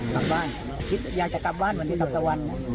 กลับบ้านคิดอยากจะกลับบ้านวันที่ทำตะวัน